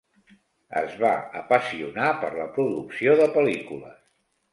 Es va apassionar per la producció de pel·lícules.